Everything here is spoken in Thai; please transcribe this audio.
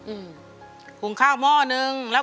คนที่สองชื่อน้องก็เอาหลานมาให้ป้าวันเลี้ยงสองคน